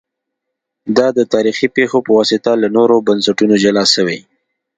دا د تاریخي پېښو په واسطه له نورو بنسټونو جلا سوي